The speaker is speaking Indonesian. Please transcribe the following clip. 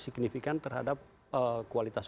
signifikan terhadap kualitas